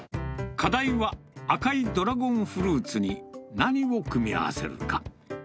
課題は、赤いドラゴンフルーツに何を組み合わせるか。